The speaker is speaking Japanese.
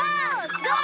ゴー！